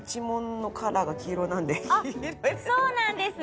あっそうなんですね。